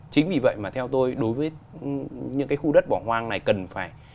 chính vì vậy mà theo tôi đối với những cái khu đất bỏ hoang này cần phải